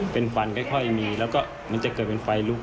เป็นควันค่อยมีแล้วก็มันจะเกิดเป็นไฟลุก